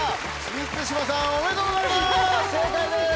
満島さんおめでとうございます！